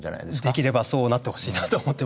できればそうなってほしいなと思ってます。